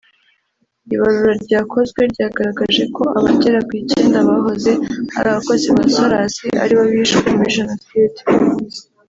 Ibarura ryakozwe ryagaragaje ko abagera ku icyenda bahoze ari abakozi ba Soras aribo bishwe muri Jenoside